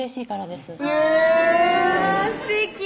すてき！